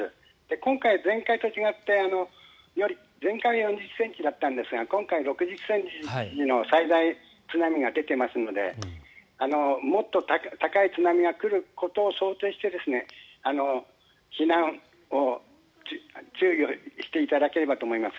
今回は前回と違って前回は２０ｃｍだったんですが今回は６０ｃｍの最大津波が出ていますのでもっと高い津波が来ることを想定して注意をしていただければと思います。